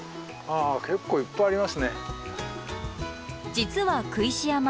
実は工石山